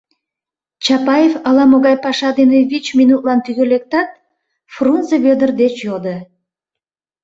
Чапаев ала-могай паша дене вич минутлан тӱгӧ лектат, Фрунзе Вӧдыр деч йодо: